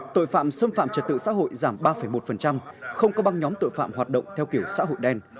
tội phạm xâm phạm trật tự xã hội giảm ba một không có băng nhóm tội phạm hoạt động theo kiểu xã hội đen